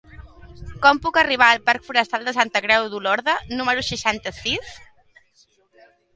Com puc arribar al parc Forestal de Santa Creu d'Olorda número seixanta-sis?